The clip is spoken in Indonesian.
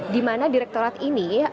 di mana direkturat ini